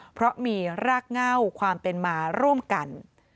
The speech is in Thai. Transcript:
เพราะมีรากเง่าความเป็นมาร่วมกัน